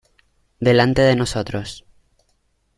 delante de nosotros.